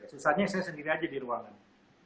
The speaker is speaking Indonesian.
susahnya saya sendiri aja di ruangan